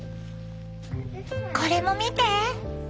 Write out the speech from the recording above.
これも見て。